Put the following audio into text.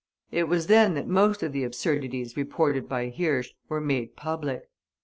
It was then that most of the absurdities reported by Hirsch were made public.